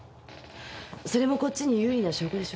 それもこっちに有利な証拠でしょう？